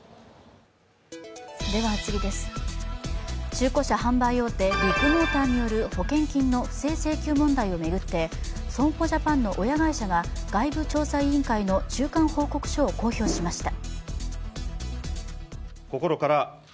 中古車販売大手ビッグモーターによる保険金の不正請求問題を巡って損保ジャパンの親会社が外部調査委員会の中間報告書を公表しました。